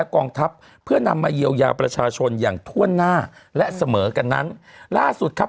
กองทัพเพื่อนำมาเยียวยาประชาชนอย่างถ้วนหน้าและเสมอกันนั้นล่าสุดครับ